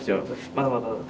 まだまだまだ。